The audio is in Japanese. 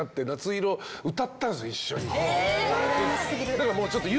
だからもうちょっと。